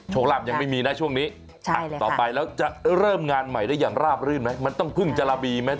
ลาบยังไม่มีนะช่วงนี้ต่อไปแล้วจะเริ่มงานใหม่ได้อย่างราบรื่นไหมมันต้องเพิ่งจะระบีไหม